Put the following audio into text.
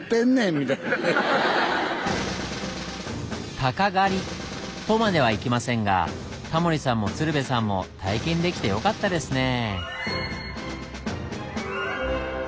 鷹「狩り」とまではいきませんがタモリさんも鶴瓶さんも体験できてよかったですねぇ。